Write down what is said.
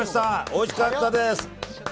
おいしかったです！